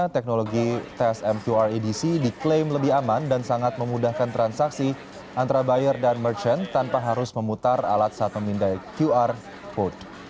teknologi tes mqr edc diklaim lebih aman dan sangat memudahkan transaksi antara buyer dan merchant tanpa harus memutar alat saat memindai qr code